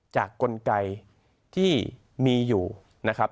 กลไกที่มีอยู่นะครับ